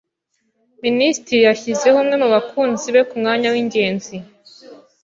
Minisitiri yashyizeho umwe mu bakunzi be ku mwanya w'ingenzi.